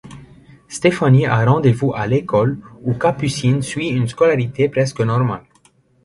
Stéphanie a rendez-vous à l'école où Capucine suit une scolarité presque normale.